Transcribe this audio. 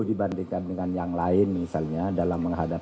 dibandingkan dengan yang lain misalnya dalam menghadapi